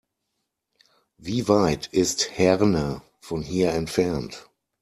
Wie weit ist Herne von hier entfernt?